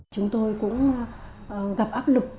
chúng tôi cũng gặp ác lực